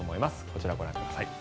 こちらをご覧ください。